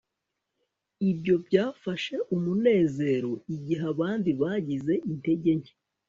Ibyo byafashe umunezero igihe abandi bagize intege nke